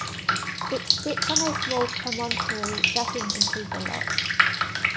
It sits on a small promontory jutting into the loch.